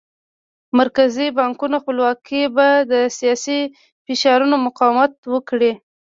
مرکزي بانکونو خپلواکي به د سیاسي فشارونو مقاومت وکړي.